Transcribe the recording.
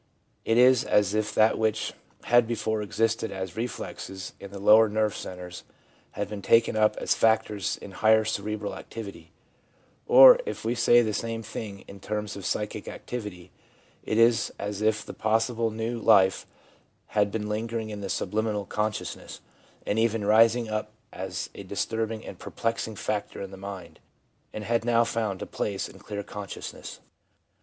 It is as if that which had before existed as reflexes in the lower nerve centres had been taken up as factors in higher cerebral activity ; or, if we say the same thing in terms of psychic activity, it is as if the possible new life had been lingering in the subliminal consciousness, and even rising up as a disturbing and perplexing factor in the mind, and had now found a place in clear consciousness.